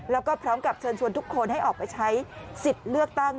แล้วก็พร้อมกับเชิญชวนทุกคนให้ออกไปใช้สิทธิ์เลือกตั้ง